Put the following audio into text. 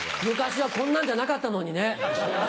昔はこんなんじゃなかったのにね